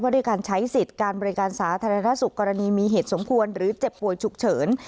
ด้วยการใช้สิทธิ์การบริการสาธารณสุขกรณีมีเหตุสมควรหรือเจ็บป่วยฉุกเฉิน